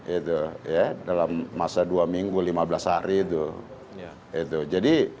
itu ya dalam masa dua minggu lima belas hari itu